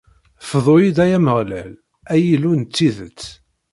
Fdu-yi-d, ay Ameɣlal, ay Illu n tidet!